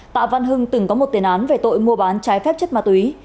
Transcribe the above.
tạ văn hưng từng có một tiền án về tội mua bán trái phép chất ma túy